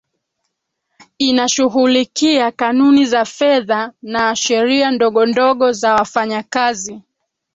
inashughulikia kanuni za fedha na sheria ndogo ndogo za wafanyakazi